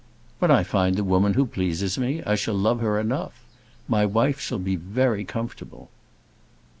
"When I find the woman who pleases me, I shall love her enough. My wife shall be very comfortable."